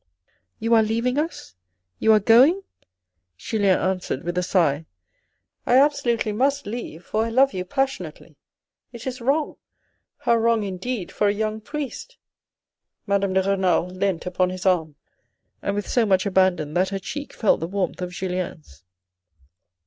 "You are leaving us, you are going?" Julien answered with a sigh. " I absolutely must leave, for I love you passionately. It is wrong ... how wrong indeed for a young priest ?" Madame de Renal leant upon his arm, and with so much abandon that her cheek felt the warmth of Julien's.